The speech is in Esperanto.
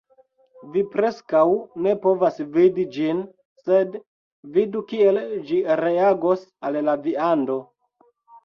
Vi preskaŭ ne povas vidi ĝin sed vidu kiel ĝi reagos al la viando